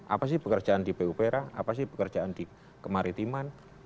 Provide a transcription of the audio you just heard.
apa sih pekerjaan di pupera apa sih pekerjaan di kemaritiman